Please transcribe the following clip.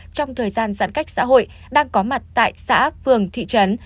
trong thời gian giãn cách xã hội đang có mặt tại xã phường thị trấn